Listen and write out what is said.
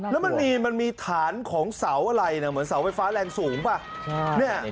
แล้วมันมีฐานของเสาอะไรนะเหมือนเสาไฟฟ้าแรงสูงป่ะ